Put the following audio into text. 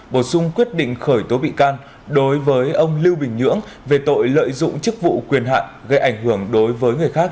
bổ sung quyết định khởi tố bị can đối với ông lưu bình nhưỡng về tội lợi dụng chức vụ quyền hạn gây ảnh hưởng đối với người khác